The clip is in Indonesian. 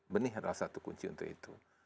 benih adalah satu kunci untuk itu